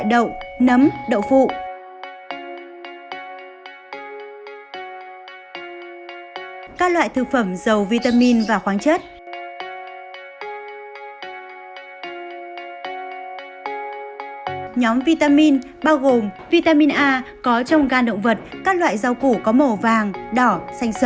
nhóm vitamin c cũng có trong gan động vật các loại rau củ có trong gan động vật các loại rau củ có màu vàng đỏ xanh xấm